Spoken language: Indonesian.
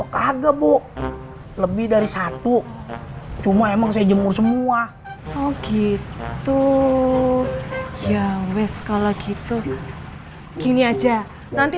kaget bu lebih dari satu cuma emang saya jemur semua gitu ya wes kalau gitu gini aja nanti